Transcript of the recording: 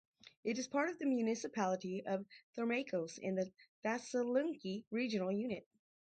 It is part of the municipality of Thermaikos in the Thessaloniki regional unit.